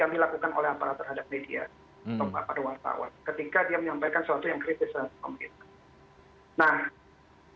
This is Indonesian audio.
yang dilakukan oleh aparat terhadap media atau wartawan ketika dia menyampaikan sesuatu yang kritis terhadap pemerintah nah